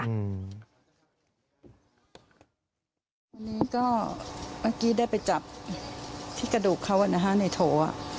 อันนี้ก็เมื่อกี้ได้ไปจับที่กระดูกเขาอ่ะนะฮะในโถอ่ะ